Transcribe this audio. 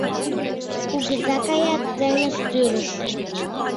Кугыза кая теҥыз тӱрыш